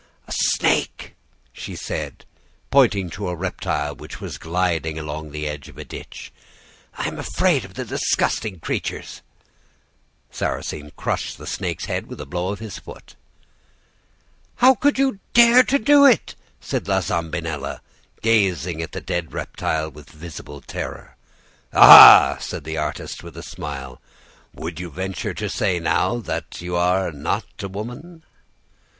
"'A snake!' she said, pointing to a reptile which was gliding along the edge of a ditch. 'I am afraid of the disgusting creatures.' "Sarrasine crushed the snake's head with a blow of his foot. "'How could you dare to do it?' said La Zambinella, gazing at the dead reptile with visible terror. "'Aha!' said the artist, with a smile, 'would you venture to say now that you are not a woman?